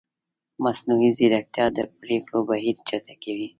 مصنوعي ځیرکتیا د پرېکړو بهیر چټکوي.